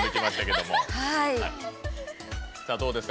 どうですか？